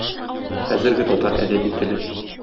Хәзерге татар әдәби теле.